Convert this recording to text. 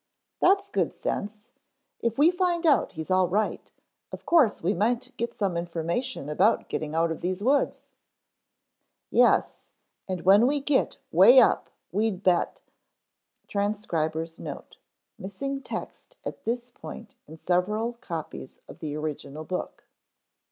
"That's good sense. If we find out he's all right, of course we might get some information about getting out of these woods." "Yes, and when we get way up we'd bet [Transcriber's note: missing text at this point in several copies of the original book.